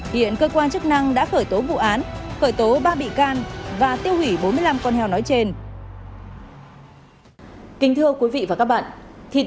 hiện cơ quan chức năng đã khởi tố vụ án khởi tố ba bị can và tiêu hủy bốn mươi năm con heo nói trên